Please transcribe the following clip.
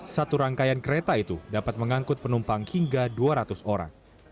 satu rangkaian kereta itu dapat mengangkut penumpang hingga dua ratus orang